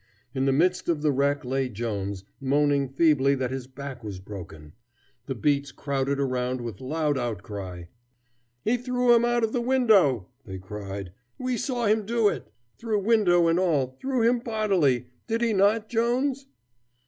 In the midst of the wreck lay Jones, moaning feebly that his back was broken. The beats crowded around with loud outcry. "He threw him out of the window," they cried. "We saw him do it! Through window and all, threw him bodily! Did he not, Jones?"